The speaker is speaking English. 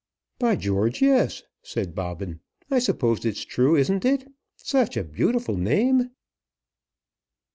"By George, yes," said Bobbin. "I suppose it's true; isn't it? Such a beautiful name!"